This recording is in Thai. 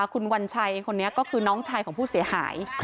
คุณวัญชัยคนนี้ก็คือน้องชายของผู้เสียหาย